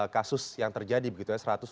kasus yang terjadi